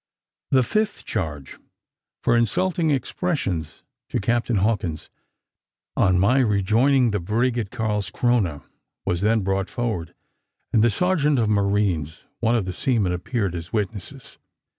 The fifth charge for insulting expressions to Captain Hawkins, on my rejoining the brig at Carlscrona, was then brought forward; and the sergeant of marines and one of the seamen appeared as witnesses.